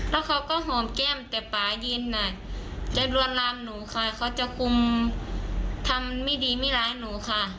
แล้วเขาก็หอมแก้มแต่ป่ายินอ่ะจะลวนลามหนูค่ะเขาจะคุมทำไม่ดีไม่ร้ายหนูค่ะ